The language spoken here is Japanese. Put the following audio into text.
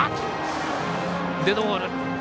デッドボール。